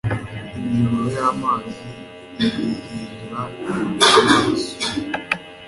imiyoboro y'amazi iyihindura amaraso